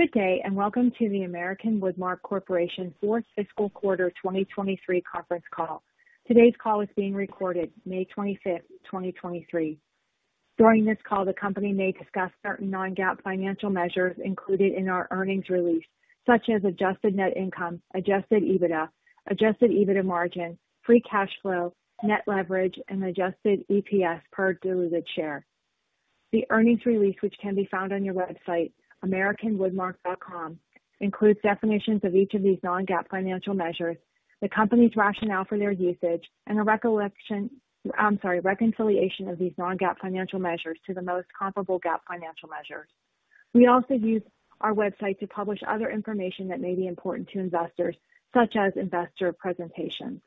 Good day. Welcome to the American Woodmark Corporation fourth fiscal quarter 2023 conference call. Today's call is being recorded May 25, 2023. During this call, the company may discuss certain non-GAAP financial measures included in our earnings release, such as adjusted net income, Adjusted EBITDA, Adjusted EBITDA margin, free cash flow, net leverage, and Adjusted EPS per diluted share. The earnings release, which can be found on our website, americanwoodmark.com, includes definitions of each of these non-GAAP financial measures, the company's rationale for their usage, and a reconciliation of these non-GAAP financial measures to the most comparable GAAP financial measures. We also use our website to publish other information that may be important to investors, such as investor presentations.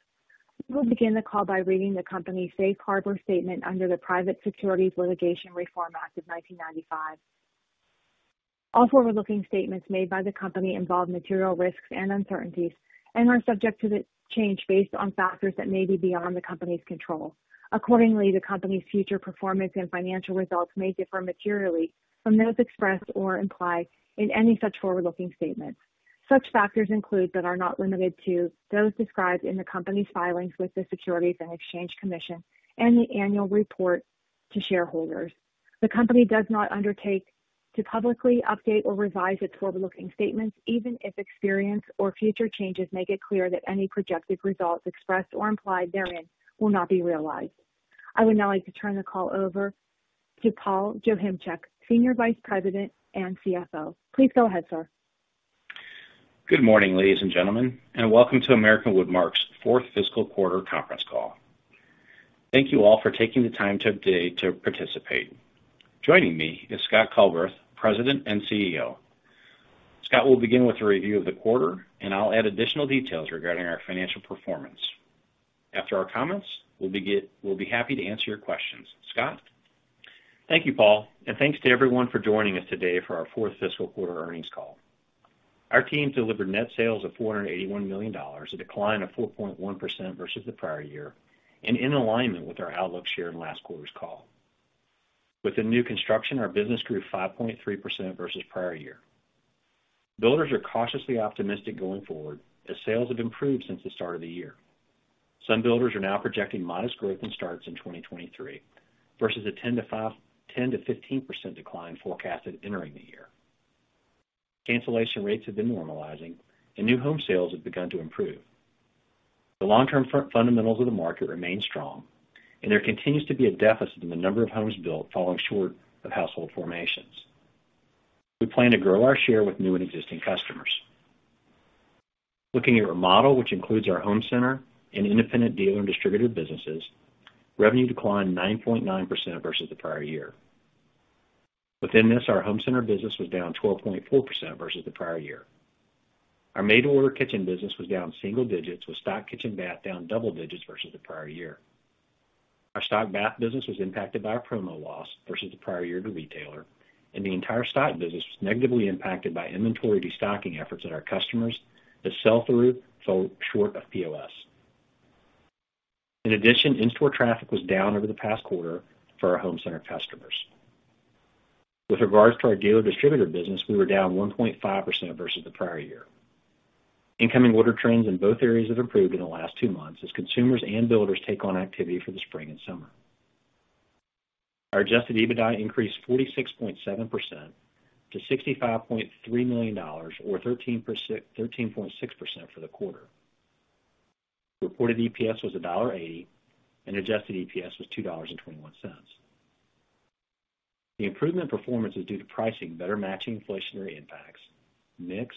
We will begin the call by reading the company's Safe Harbor statement under the Private Securities Litigation Reform Act of 1995. All forward-looking statements made by the company involve material risks and uncertainties and are subject to change based on factors that may be beyond the company's control. Accordingly, the company's future performance and financial results may differ materially from those expressed or implied in any such forward-looking statements. Such factors include, but are not limited to, those described in the company's filings with the Securities and Exchange Commission and the annual report to shareholders. The company does not undertake to publicly update or revise its forward-looking statements, even if experience or future changes make it clear that any projected results expressed or implied therein will not be realized. I would now like to turn the call over to Paul Joachimczyk, Senior Vice President and CFO. Please go ahead, sir. Good morning, ladies and gentlemen, and welcome to American Woodmark's fourth fiscal quarter conference call. Thank you all for taking the time today to participate. Joining me is Scott Culbreth, President and CEO. Scott will begin with a review of the quarter, and I'll add additional details regarding our financial performance. After our comments, we'll be happy to answer your questions. Scott? Thank you, Paul, and thanks to everyone for joining us today for our fourth fiscal quarter earnings call. Our team delivered net sales of $481 million, a decline of 4.1% versus the prior year, and in alignment with our outlook shared on last quarter's call. With the new construction, our business grew 5.3% versus prior year. Builders are cautiously optimistic going forward as sales have improved since the start of the year. Some builders are now projecting modest growth and starts in 2023, versus a 10%-15% decline forecasted entering the year. Cancellation rates have been normalizing, and new home sales have begun to improve. The long-term fundamentals of the market remain strong, and there continues to be a deficit in the number of homes built, falling short of household formations. We plan to grow our share with new and existing customers. Looking at our model, which includes our home center and independent dealer and distributor businesses, revenue declined 9.9% versus the prior year. Within this, our home center business was down 12.4% versus the prior year. Our made-to-order kitchen business was down single digits, with stock kitchen bath down double digits versus the prior year. Our stock bath business was impacted by our promo loss versus the prior year to retailer, and the entire stock business was negatively impacted by inventory destocking efforts at our customers as sell-through fell short of POS. In-store traffic was down over the past quarter for our home center customers. With regards to our dealer distributor business, we were down 1.5% versus the prior year. Incoming order trends in both areas have improved in the last two months as consumers and builders take on activity for the spring and summer. Our Adjusted EBITDA increased 46.7% to $65.3 million, or 13.6% for the quarter. Reported EPS was $1.80, and Adjusted EPS was $2.21. The improvement in performance is due to pricing better matching inflationary impacts, mix,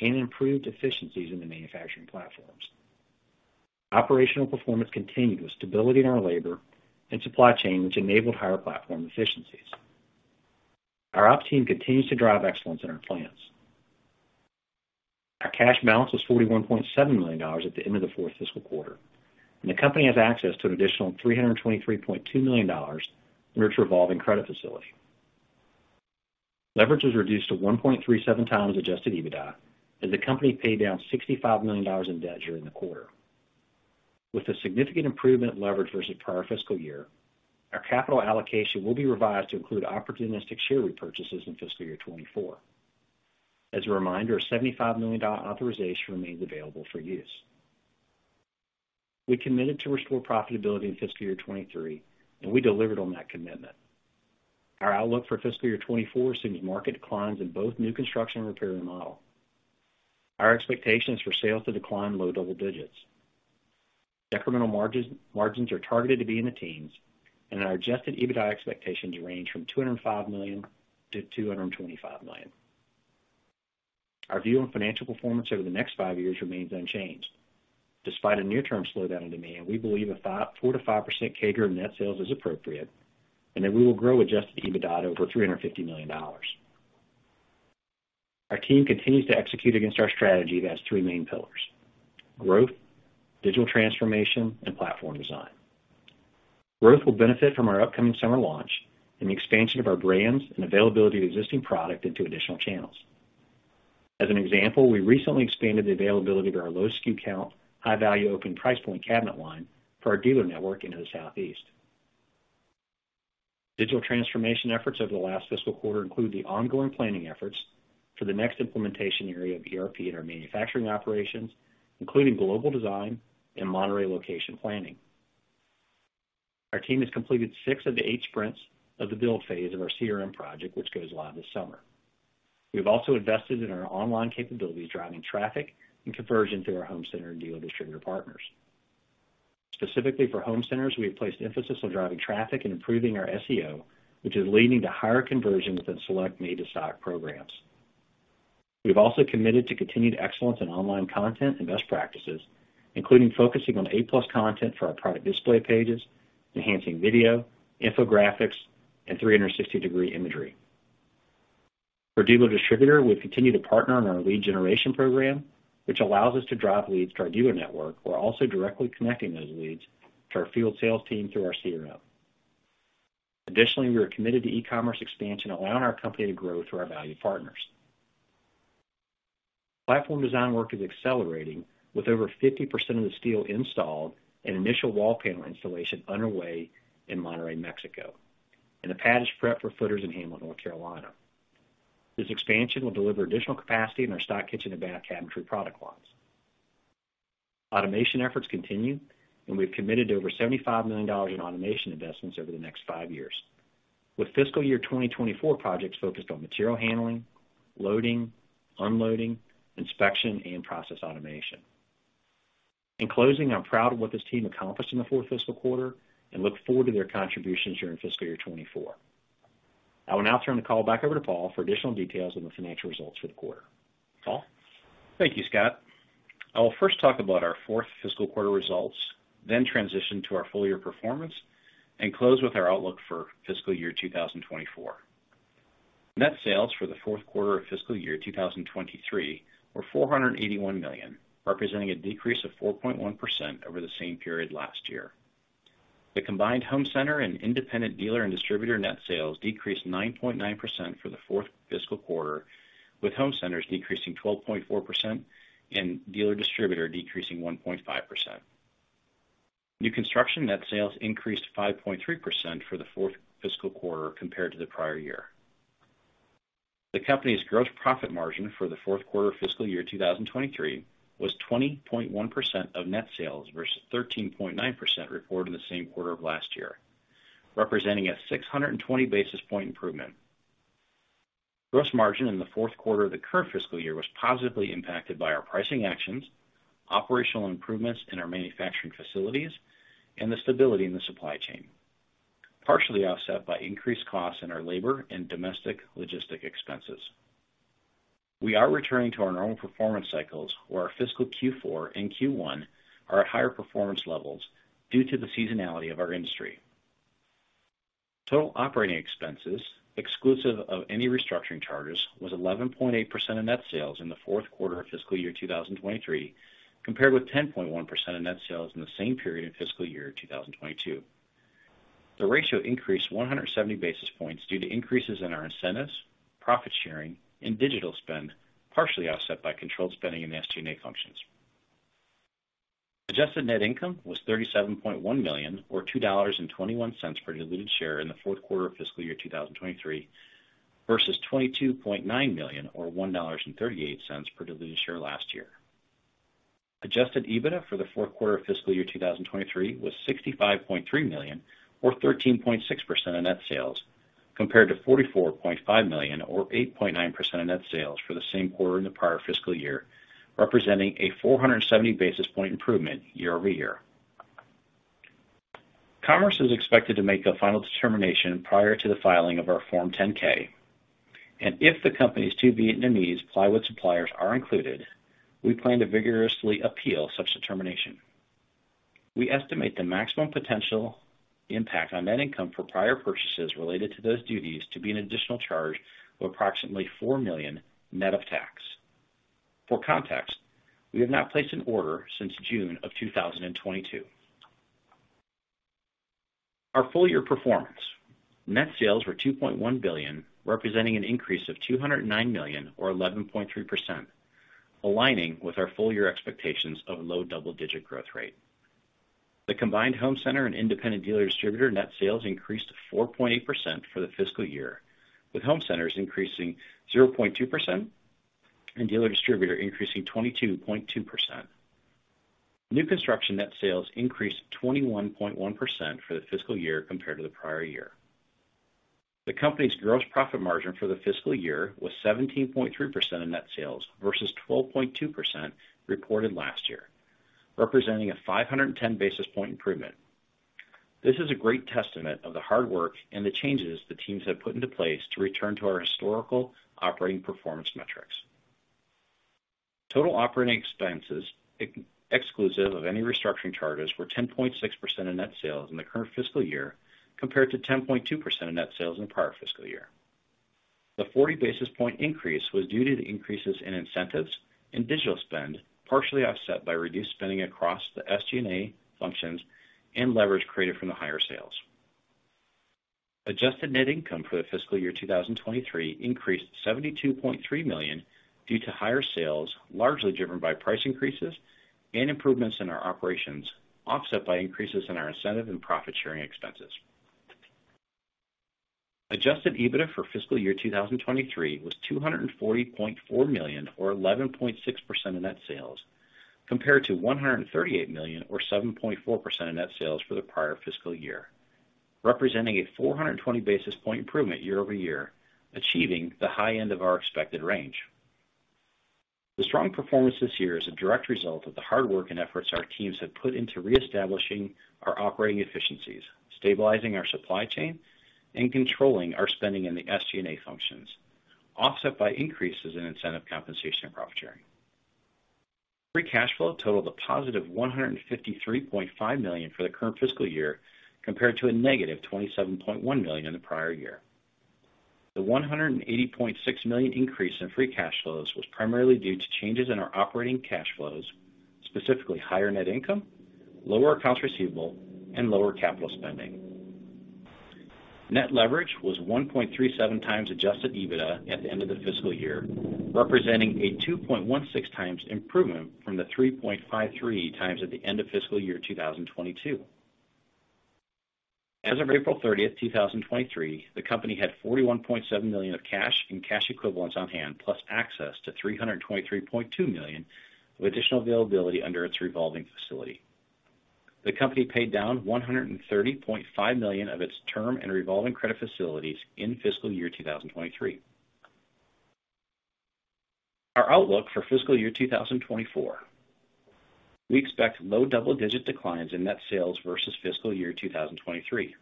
and improved efficiencies in the manufacturing platforms. Operational performance continued with stability in our labor and supply chain, which enabled higher platform efficiencies. Our operations team continues to drive excellence in our plans. Our cash balance was $41.7 million at the end of the fourth fiscal quarter, and the company has access to an additional $323.2 million in its revolving credit facility. Leverage was reduced to 1.37 times Adjusted EBITDA, as the company paid down $65 million in debt during the quarter. With a significant improvement in leverage versus prior fiscal year, our capital allocation will be revised to include opportunistic share repurchases in fiscal year 2024. As a reminder, a $75 million authorization remains available for use. We committed to restore profitability in fiscal year 2023, and we delivered on that commitment. Our outlook for fiscal year 2024 assumes market declines in both new construction and repair and remodel. We expect sales to decline in the low double digits. Decremental margins are targeted to be in the teens, and our Adjusted EBITDA expectations range from $205 million to $225 million. Our view on financial performance over the next five years remains unchanged. Despite a near-term slowdown in demand, we believe a 4% to 5% CAGR in net sales is appropriate and that we will grow Adjusted EBITDA to over $350 million. Our team continues to execute against our strategy that has three main pillars: growth, digital transformation, and platform design. Growth will benefit from our upcoming summer launch and the expansion of our brands and availability of existing product into additional channels. As an example, we recently expanded the availability to our low SKU count, high-value, open price point cabinet line for our dealer network into the Southeast. Digital transformation efforts over the last fiscal quarter include the ongoing planning efforts for the next implementation area of ERP in our manufacturing operations, including global design and Monterrey location planning. Our team has completed 6 of the 8 sprints of the build phase of our CRM project, which goes live this summer. We've also invested in our online capabilities, driving traffic and conversions through our home center dealer distributor partners. Specifically for home centers, we have placed emphasis on driving traffic and improving our SEO, which is leading to higher conversions within select made-to-stock programs. We've also committed to continued excellence in online content and best practices, including focusing on A+ Content for our product display pages, enhancing video, infographics, and 360-degree imagery. For dealer distributor, we've continued to partner on our lead generation program, which allows us to drive leads to our dealer network. We're also directly connecting those leads to our field sales team through our CRM. Additionally, we are committed to e-commerce expansion, allowing our company to grow through our valued partners. Platform design work is accelerating, with over 50% of the steel installed and initial wall panel installation underway in Monterrey, Mexico, and the pad is prepped for footers in Hamlet, North Carolina. This expansion will deliver additional capacity in our stock kitchen and bath cabinetry product lines. Automation efforts continue, and we've committed to over $75 million in automation investments over the next five years, with fiscal year 2024 projects focused on material handling, loading, unloading, inspection, and process automation. In closing, I'm proud of what this team accomplished in the fourth fiscal quarter and look forward to their contributions during fiscal year 2024. I will now turn the call back over to Paul for additional details on the financial results for the quarter. Paul? Thank you, Scott. I will first talk about our fourth fiscal quarter results, then transition to our full year performance and close with our outlook for fiscal year 2024. Net sales for the fourth quarter of fiscal year 2023 were $481 million, representing a decrease of 4.1% over the same period last year. The combined home center and independent dealer and distributor net sales decreased 9.9% for the fourth fiscal quarter, with home centers decreasing 12.4% and dealer distributor decreasing 1.5%. New construction net sales increased 5.3% for the fourth fiscal quarter compared to the prior year. The company's gross profit margin for the fourth quarter of fiscal year 2023 was 20.1% of net sales, versus 13.9% reported in the same quarter of last year, representing a 620 basis point improvement. Gross margin in the fourth quarter of the current fiscal year was positively impacted by our pricing actions, operational improvements in our manufacturing facilities, and the stability in the supply chain, partially offset by increased costs in our labor and domestic logistic expenses. We are returning to our normal performance cycles, where our fiscal Q4 and Q1 are at higher performance levels due to the seasonality of our industry. Total operating expenses, exclusive of any restructuring charges, was 11.8% of net sales in the fourth quarter of fiscal year 2023, compared with 10.1% of net sales in the same period in fiscal year 2022. The ratio increased 170 basis points due to increases in our incentives, profit sharing, and digital spend, partially offset by controlled spending in the SG&A functions. Adjusted net income was $37.1 million, or $2.21 per diluted share in the fourth quarter of fiscal year 2023, versus $22.9 million, or $1.38 per diluted share last year. Adjusted EBITDA for the fourth quarter of fiscal year 2023 was $65.3 million, or 13.6% of net sales, compared to $44.5 million or 8.9% of net sales for the same quarter in the prior fiscal year, representing a 470 basis point improvement year-over-year. Commerce is expected to make a final determination prior to the filing of our Form 10-K, and if the company's two Vietnamese plywood suppliers are included, we plan to vigorously appeal such determination. We estimate the maximum potential impact on net income for prior purchases related to those duties to be an additional charge of approximately $4 million, net of tax. For context, we have not placed an order since June of 2022. Our full-year performance. Net sales were $2.1 billion, representing an increase of $209 million, or 11.3%, aligning with our full-year expectations of low double-digit growth rate. The combined home center and independent dealer distributor net sales increased 4.8% for the fiscal year, with home centers increasing 0.2% and dealer distributor increasing 22.2%. New construction net sales increased 21.1% for the fiscal year compared to the prior year. The company's gross profit margin for the fiscal year was 17.3% of net sales versus 12.2% reported last year, representing a 510 basis point improvement. This is a great testament of the hard work and the changes the teams have put into place to return to our historical operating performance metrics. Total operating expenses, exclusive of any restructuring charges, were 10.6% of net sales in the current fiscal year, compared to 10.2% of net sales in the prior fiscal year. The 40 basis point increase was due to the increases in incentives and digital spend, partially offset by reduced spending across the SG&A functions and leverage created from the higher sales. Adjusted net income for the fiscal year 2023 increased $72.3 million due to higher sales, largely driven by price increases and improvements in our operations, offset by increases in our incentive and profit sharing expenses. Adjusted EBITDA for fiscal year 2023 was $240.4 million, or 11.6% of net sales, compared to $138 million, or 7.4% of net sales for the prior fiscal year, representing a 420 basis point improvement year-over-year, achieving the high end of our expected range. The strong performance this year is a direct result of the hard work and efforts our teams have put into reestablishing our operating efficiencies, stabilizing our supply chain, and controlling our spending in the SG&A functions, offset by increases in incentive compensation and profit sharing. Free cash flow totaled a positive $153.5 million for the current fiscal year, compared to a negative $27.1 million in the prior year. The $180.6 million increase in free cash flows was primarily due to changes in our operating cash flows, specifically higher net income, lower accounts receivable, and lower capital spending. Net leverage was 1.37 times Adjusted EBITDA at the end of the fiscal year, representing a 2.16 times improvement from the 3.53 times at the end of fiscal year 2022. As of April 30, 2023, the company had $41.7 million of cash and cash equivalents on hand, plus access to $323.2 million of additional availability under its revolving facility. The company paid down $130.5 million of its term and revolving credit facilities in fiscal year 2023. Our outlook for fiscal year 2024: we expect low double-digit declines in net sales versus fiscal year 2023.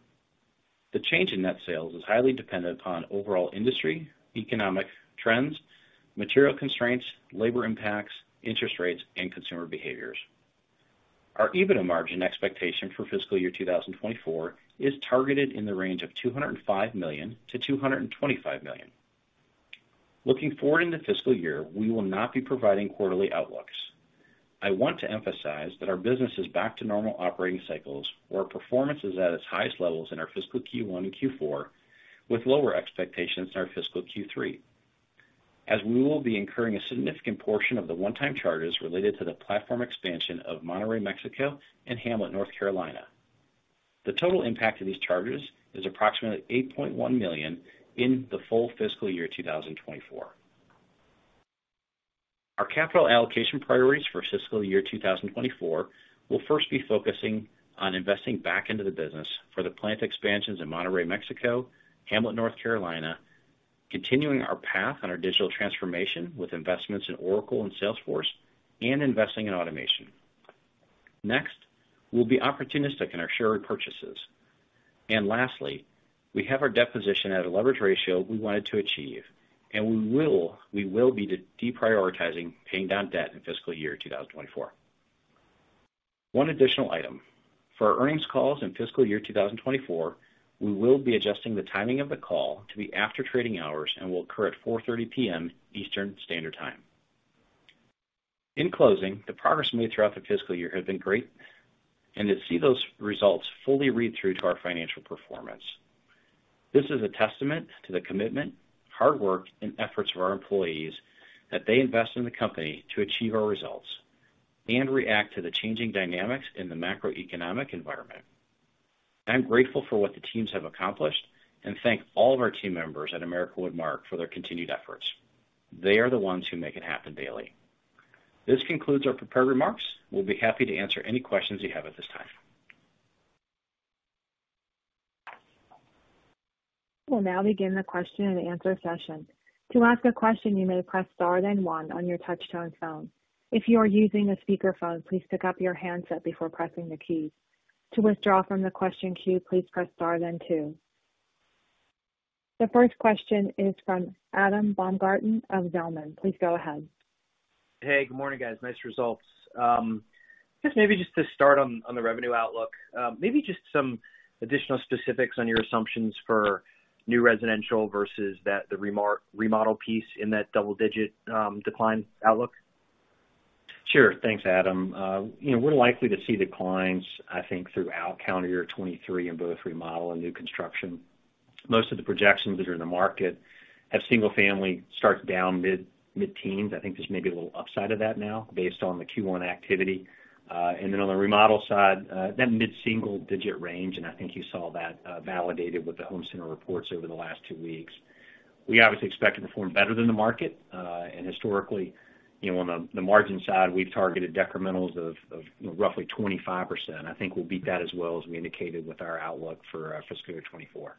The change in net sales is highly dependent upon overall industry, economic trends, material constraints, labor impacts, interest rates, and consumer behaviors. Our Adjusted EBITDA expectation for fiscal year 2024 is targeted in the range of $205 million to $225 million. Looking forward in the fiscal year, we will not be providing quarterly outlooks. I want to emphasize that our business is back to normal operating cycles, where performance is at its highest levels in our fiscal Q1 and Q4, with lower expectations in our fiscal Q3, as we will be incurring a significant portion of the one-time charges related to the platform expansion of Monterrey, Mexico, and Hamlet, North Carolina. The total impact of these charges is approximately $8.1 million in the full fiscal year 2024. Our capital allocation priorities for fiscal year 2024 will first be focusing on investing back into the business for the plant expansions in Monterrey, Mexico, Hamlet, North Carolina, continuing our path on our digital transformation with investments in Oracle and Salesforce, and investing in automation. We'll be opportunistic in our share repurchases. Lastly, we have our debt position at a leverage ratio we wanted to achieve, we will be deprioritizing paying down debt in fiscal year 2024. One additional item. For our earnings calls in fiscal year 2024, we will be adjusting the timing of the call to be after trading hours and will occur at 4:30 P.M. Eastern Standard Time. In closing, the progress made throughout the fiscal year has been great, and to see those results fully read through to our financial performance. This is a testament to the commitment, hard work, and efforts of our employees, that they invest in the company to achieve our results and react to the changing dynamics in the macroeconomic environment. I'm grateful for what the teams have accomplished and thank all of our team members at American Woodmark for their continued efforts. They are the ones who make it happen daily. This concludes our prepared remarks. We'll be happy to answer any questions you have at this time. We'll now begin the question-and-answer session. To ask a question, you may press Star, then One on your touch-tone phone. If you are using a speakerphone, please pick up your handset before pressing the key. To withdraw from the question queue, please press Star then Two. The first question is from Adam Baumgarten of Zelman. Please go ahead. Hey, good morning, guys. Nice results. Just maybe just to start on the revenue outlook, maybe just some additional specifics on your assumptions for new residential versus that the remodel piece in that double-digit, decline outlook. Sure. Thanks, Adam. you know, we're likely to see declines, I think, throughout calendar year 2023 in both remodel and new construction. Most of the projections that are in the market have single family start down mid-teens. I think there's maybe a little upside of that now based on the Q1 activity. On the remodel side, that mid-single digit range, and I think you saw that, validated with the home center reports over the last 2 weeks. We obviously expect to perform better than the market. Historically, you know, on the margin side, we've targeted decrementals of, you know, roughly 25%. I think we'll beat that as well, as we indicated with our outlook for, fiscal year 2024.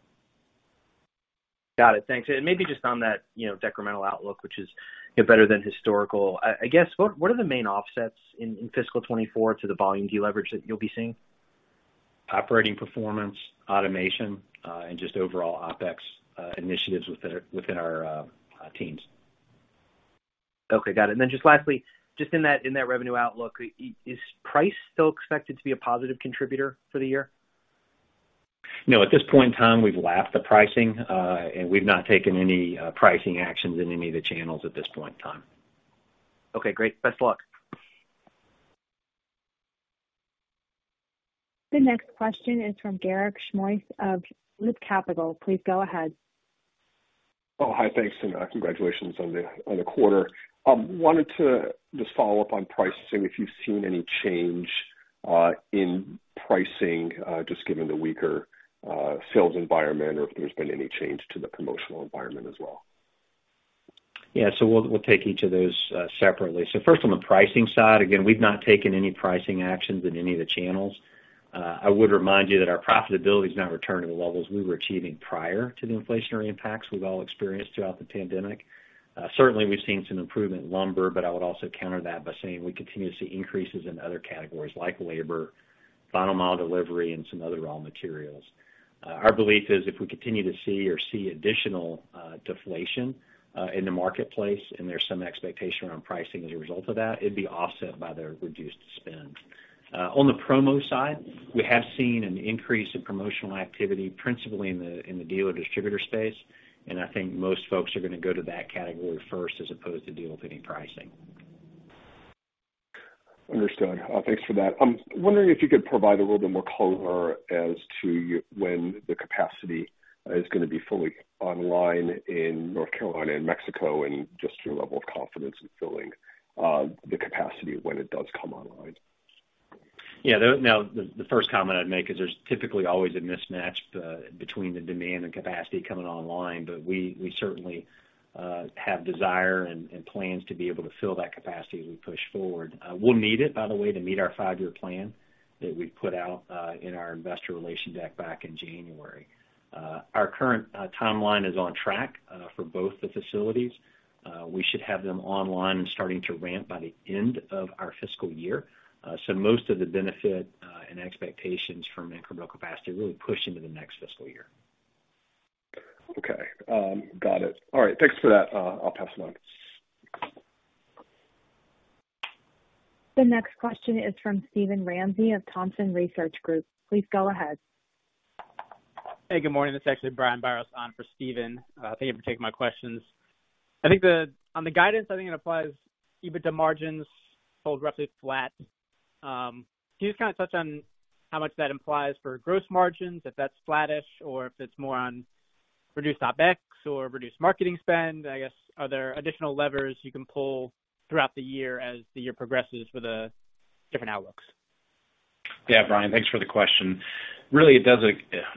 Got it. Thanks. Maybe just on that, you know, decremental outlook, which is, you know, better than historical, I guess, what are the main offsets in fiscal 2024 to the volume deleverage that you'll be seeing? Operating performance, automation, and just overall OpEx initiatives within our teams. Okay, got it. Just lastly, just in that revenue outlook, is price still expected to be a positive contributor for the year? No, at this point in time, we've lapped the pricing, and we've not taken any pricing actions in any of the channels at this point in time. Okay, great. Best of luck. The next question is from Garik Shmois of Loop Capital. Please go ahead. Hi. Thanks, and congratulations on the quarter. Wanted to just follow up on pricing, if you've seen any change in pricing, just given the weaker sales environment or if there's been any change to the promotional environment as well? We'll take each of those separately. First, on the pricing side, again, we've not taken any pricing actions in any of the channels. I would remind you that our profitability has not returned to the levels we were achieving prior to the inflationary impacts we've all experienced throughout the pandemic. Certainly, we've seen some improvement in lumber, I would also counter that by saying we continue to see increases in other categories like labor, final mile delivery, and some other raw materials. Our belief is if we continue to see or see additional deflation in the marketplace, there's some expectation around pricing as a result of that, it'd be offset by the reduced spend. On the promo side, we have seen an increase in promotional activity, principally in the dealer distributor space, and I think most folks are gonna go to that category first as opposed to deal with any pricing. Understood. thanks for that. I'm wondering if you could provide a little bit more color as to when the capacity is gonna be fully online in North Carolina and Mexico, and just your level of confidence in filling the capacity when it does come online. Yeah. Now, the first comment I'd make is there's typically always a mismatch between the demand and capacity coming online. We certainly have desire and plans to be able to fill that capacity as we push forward. We'll need it, by the way, to meet our five-year plan that we put out in our investor relation deck back in January. Our current timeline is on track for both the facilities. We should have them online and starting to ramp by the end of our fiscal year. Most of the benefit and expectations from incremental capacity really push into the next fiscal year. Okay. Got it. All right, thanks for that. I'll pass along. The next question is from Steven Ramsey of Thompson Research Group. Please go ahead. Hey, good morning. This is actually Brian Biros on for Steven. Thank you for taking my questions. On the guidance, I think it applies EBITDA margins hold roughly flat. Can you just kind of touch on how much that implies for gross margins, if that's flattish, or if it's more on reduced CapEx or reduced marketing spend? I guess, are there additional levers you can pull throughout the year as the year progresses with the different outlooks? Brian, thanks for the question. Really, it does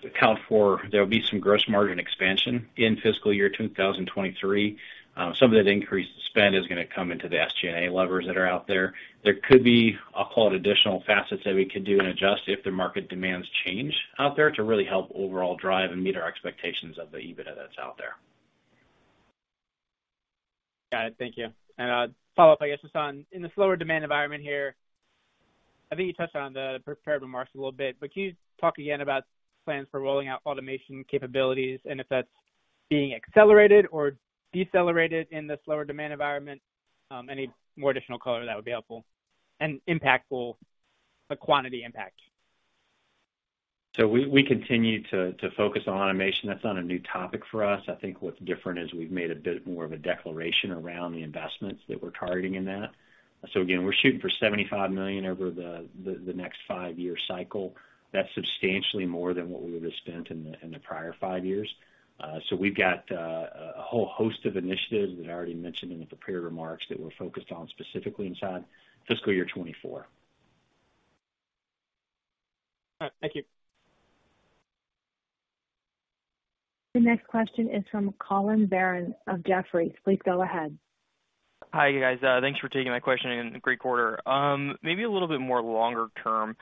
account for there will be some gross margin expansion in fiscal year 2023. Some of that increased spend is gonna come into the SG&A levers that are out there. There could be, I'll call it, additional facets that we could do and adjust if the market demands change out there to really help overall drive and meet our expectations of the EBITDA that's out there. Got it. Thank you. Follow-up, I guess, just on in the slower demand environment here, I think you touched on the prepared remarks a little bit, but can you talk again about plans for rolling out automation capabilities and if that's being accelerated or decelerated in this slower demand environment? Any more additional color, that would be helpful, and impactful, the quantity impact. We continue to focus on automation. That's not a new topic for us. I think what's different is we've made a bit more of a declaration around the investments that we're targeting in that. Again, we're shooting for $75 million over the next 5-year cycle. That's substantially more than what we would have spent in the prior 5 years. We've got a whole host of initiatives that I already mentioned in the prepared remarks that we're focused on specifically inside fiscal year 2024. All right. Thank you. The next question is from Collin Verron of Jefferies. Please go ahead. Hi, you guys. Thanks for taking my question, and great quarter. Maybe a little bit more longer term.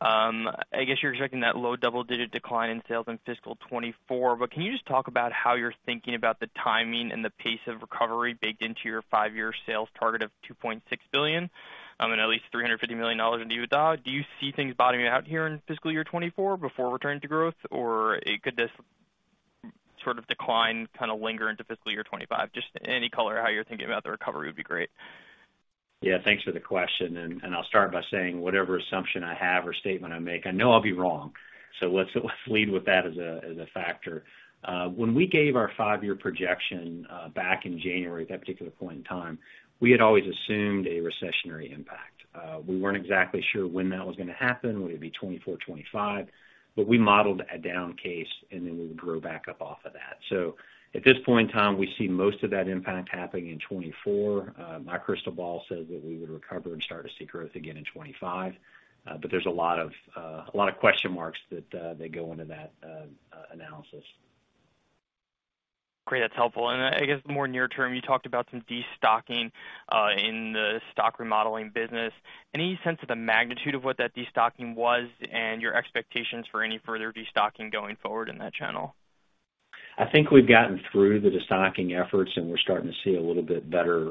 I guess you're expecting that low double-digit decline in sales in fiscal 2024, but can you just talk about how you're thinking about the timing and the pace of recovery baked into your 5-year sales target of $2.6 billion and at least $350 million in EBITDA? Do you see things bottoming out here in fiscal year 2024 before returning to growth, or could this sort of decline kind of linger into fiscal year 2025? Just any color how you're thinking about the recovery would be great. Thanks for the question, and I'll start by saying whatever assumption I have or statement I make, I know I'll be wrong. Let's lead with that as a factor. When we gave our five-year projection back in January, at that particular point in time, we had always assumed a recessionary impact. We weren't exactly sure when that was going to happen, whether it would be 2024, 2025, but we modeled a down case, and then we would grow back up off of that. At this point in time, we see most of that impact happening in 2024. My crystal ball says that we would recover and start to see growth again in 2025. There's a lot of question marks that go into that analysis. Great. That's helpful. I guess more near term, you talked about some destocking, in the stock remodeling business. Any sense of the magnitude of what that destocking was and your expectations for any further destocking going forward in that channel? I think we've gotten through the destocking efforts, and we're starting to see a little bit better,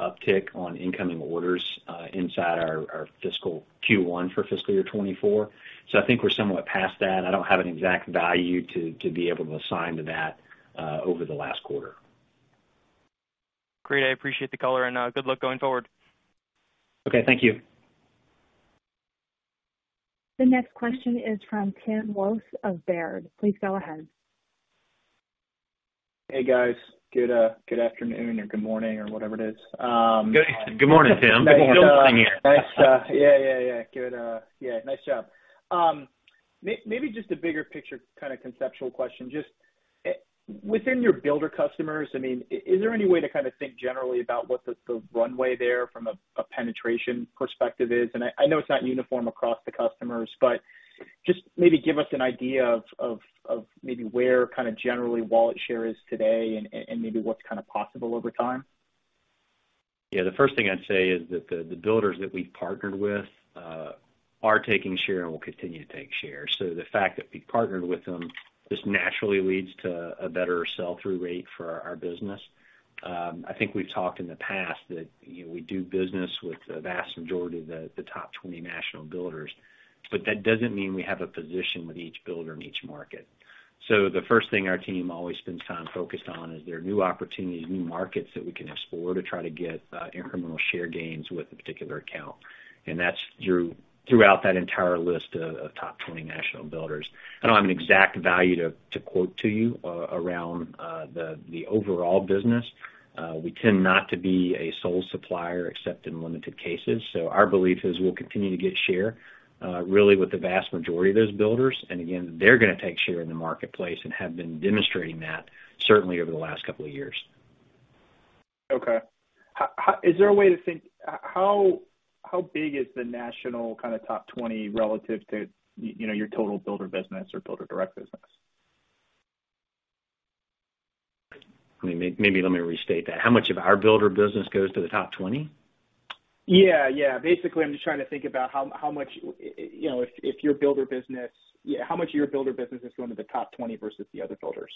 uptick on incoming orders, inside our fiscal Q1 for fiscal year 2024. I think we're somewhat past that. I don't have an exact value to be able to assign to that, over the last quarter. Great. I appreciate the color and good luck going forward. Okay. Thank you. The next question is from Timothy Wojs of Baird. Please go ahead. Hey, guys. Good, good afternoon or good morning or whatever it is. Good morning, Tim. Still morning here. Thanks. Yeah, yeah. Yeah, nice job. Maybe just a bigger picture, kind of conceptual question. Just within your builder customers, I mean, is there any way to kind of think generally about what the runway there from a penetration perspective is? I know it's not uniform across the customers, but just maybe give us an idea of maybe where kind of generally wallet share is today and maybe what's kind of possible over time. The first thing I'd say is that the builders that we've partnered with are taking share and will continue to take share. The fact that we partnered with them just naturally leads to a better sell-through rate for our business. I think we've talked in the past that, you know, we do business with the vast majority of the top 20 national builders, but that doesn't mean we have a position with each builder in each market. The first thing our team always spends time focused on is, there are new opportunities, new markets that we can explore to try to get incremental share gains with a particular account. That's throughout that entire list of top 20 national builders. I don't have an exact value to quote to you around the overall business. We tend not to be a sole supplier except in limited cases. Our belief is we'll continue to get share, really with the vast majority of those builders. Again, they're gonna take share in the marketplace and have been demonstrating that certainly over the last couple of years. Okay. Is there a way to think, how big is the national kind of top 20 relative to, you know, your total builder business or builder direct business? Let me, maybe let me restate that. How much of our builder business goes to the top 20? Yeah, yeah. Basically, I'm just trying to think about how much, you know, yeah, how much of your builder business is going to the top 20 versus the other builders?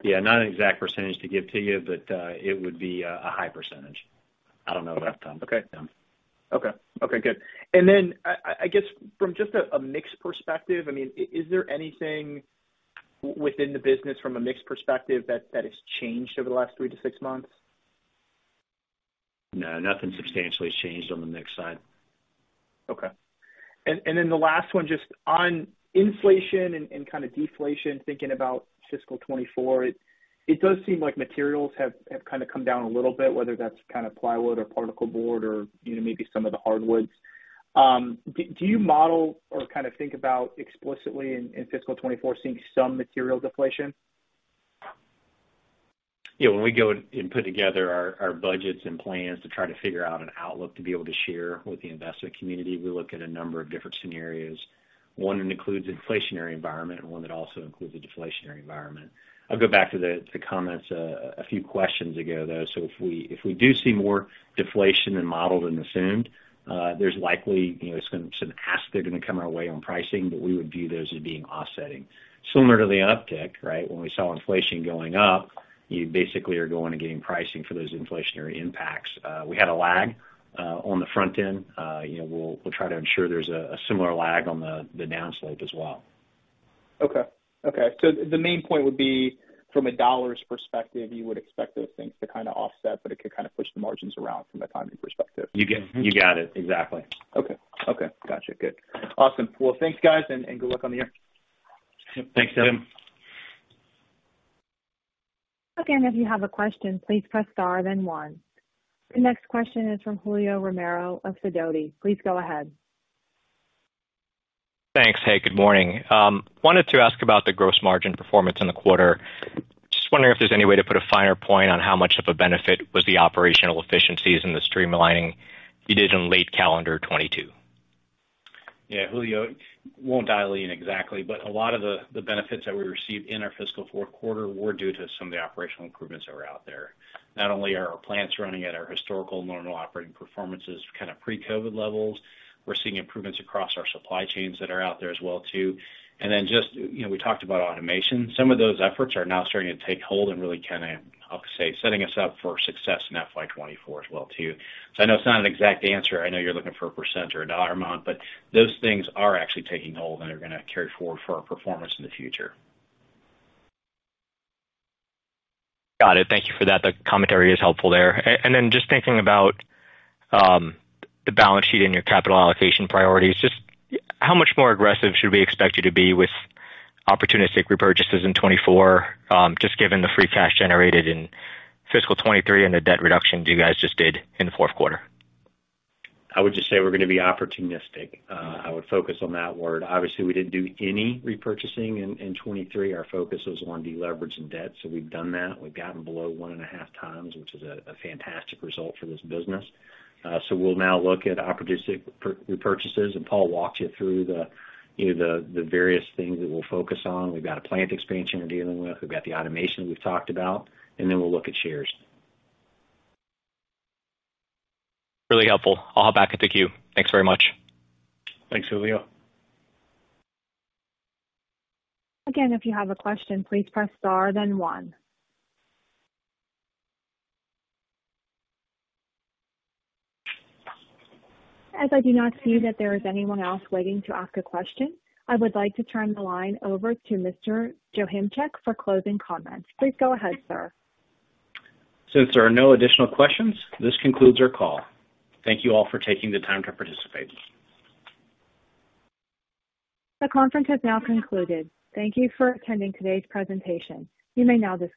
Not an exact % to give to you, but it would be a high %. I don't know off the top of my head. Okay. Okay, good. Then I guess from just a mix perspective, I mean, is there anything within the business from a mix perspective that has changed over the last 3-6 months? No, nothing substantially has changed on the mix side. Okay. The last one, just on inflation and kind of deflation, thinking about fiscal 2024, it does seem like materials have kind of come down a little bit, whether that's kind of plywood or particle board or, you know, maybe some of the hardwoods. Do you model or kind of think about explicitly in fiscal 2024, seeing some material deflation? Yeah, when we go and put together our budgets and plans to try to figure out an outlook to be able to share with the investment community, we look at a number of different scenarios. One includes an inflationary environment and one that also includes a deflationary environment. I'll go back to the comments a few questions ago, though. If we, if we do see more deflation than modeled and assumed, there's likely, you know, some asks that are going to come our way on pricing, but we would view those as being offsetting. Similar to the uptick, right? When we saw inflation going up, you basically are going and getting pricing for those inflationary impacts. We had a lag on the front end. You know, we'll try to ensure there's a similar lag on the down slope as well. Okay. Okay, the main point would be, from a dollars perspective, you would expect those things to kind of offset, but it could kind of push the margins around from a timing perspective. You got it, exactly. Okay. Okay, gotcha. Good. Awesome. Well, thanks, guys, and good luck on the year. Thanks, Tim. Again, if you have a question, please press Star, then One. The next question is from Julio Romero of Sidoti. Please go ahead. Thanks. Hey, good morning. wanted to ask about the gross margin performance in the quarter. Just wondering if there's any way to put a finer point on how much of a benefit was the operational efficiencies and the streamlining you did in late calendar 2022. Yeah, Julio, won't dial in exactly, but a lot of the benefits that we received in our fiscal fourth quarter were due to some of the operational improvements that were out there. Not only are our plants running at our historical normal operating performances, kind of pre-COVID levels, we're seeing improvements across our supply chains that are out there as well, too. Just, you know, we talked about automation. Some of those efforts are now starting to take hold and really kind of, I'll say, setting us up for success in FY 2024 as well, too. I know it's not an exact answer. I know you're looking for a % or a dollar amount, but those things are actually taking hold and are going to carry forward for our performance in the future. Got it. Thank you for that. The commentary is helpful there. Just thinking about the balance sheet and your capital allocation priorities, just how much more aggressive should we expect you to be with opportunistic repurchases in 2024, just given the free cash generated in fiscal 2023 and the debt reductions you guys just did in the fourth quarter? I would just say we're going to be opportunistic. I would focus on that word. Obviously, we didn't do any repurchasing in 2023. Our focus was on deleveraging debt. We've done that. We've gotten below one and a half times, which is a fantastic result for this business. We'll now look at opportunistic repurchases. Paul walked you through, you know, the various things that we'll focus on. We've got a plant expansion we're dealing with. We've got the automation we've talked about. We'll look at shares. Really helpful. I'll hop back at the queue. Thanks very much. Thanks, Julio. Again, if you have a question, please press Star, then One. I do not see that there is anyone else waiting to ask a question, I would like to turn the line over to Mr. Joachimczyk for closing comments. Please go ahead, sir. Since there are no additional questions, this concludes our call. Thank you all for taking the time to participate. The conference has now concluded. Thank you for attending today's presentation. You may now disconnect.